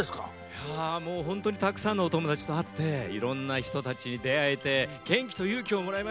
いやもうホントにたくさんのおともだちとあっていろんなひとたちにであえてげんきとゆうきをもらいました！